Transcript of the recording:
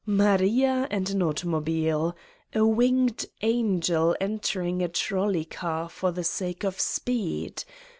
Maria and an automobile ! A winged angel en tering a trolley car for the sake of speed!